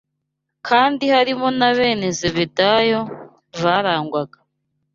kandi harimo na bene Zebedayo barangwaga